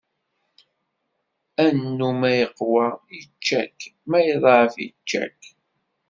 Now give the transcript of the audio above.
Annu ma iqwa ičča-k, ma iḍɛef ičča-k.